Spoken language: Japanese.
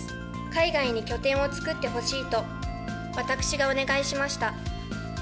海外に拠点を作ってほしいと、私がお願いしました。